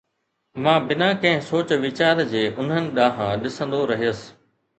مان بنا ڪنهن سوچ ويچار جي انهن ڏانهن ڏسندو رهيس